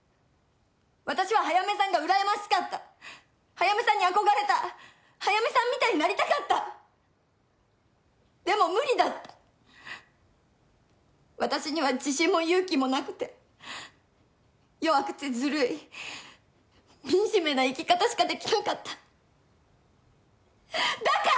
私は早梅さんが羨ましかった早梅さんに憧れた早梅さんみたいになりたかったでも無理だった私には自信も勇気もなくて弱くてずるいみじめな生き方しかできなかっただから！